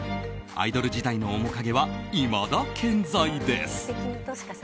アイドル時代の面影はいまだ健在です。